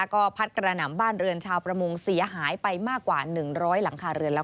ก็พัดกระหน่ำบ้านเรือนชาวประมงเสียหายไปมากกว่า๑๐๐หลังคาเรือนแล้ว